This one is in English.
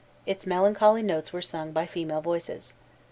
Its melancholy notes were sung by female voices.